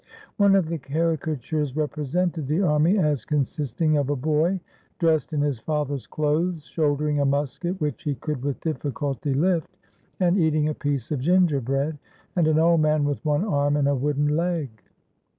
One of the caricatures represented the army as consisting of a boy dressed in his father's clothes, shouldering a musket which he could with difficulty lift, and eating a piece of gingerbread, and an old man with one arm and a wooden leg.